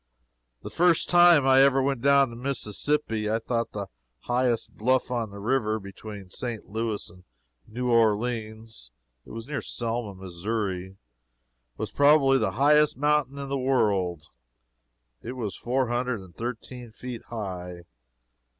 The first time I ever went down the Mississippi, I thought the highest bluff on the river between St. Louis and New Orleans it was near Selma, Missouri was probably the highest mountain in the world. It is four hundred and thirteen feet high.